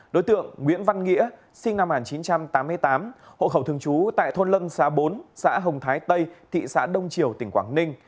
đối tượng nguyễn văn nghĩa sinh năm một nghìn chín trăm tám mươi tám hộ khẩu thường trú tại thôn lâm xá bốn xã hồng thái tây thị xã đông triều tỉnh quảng ninh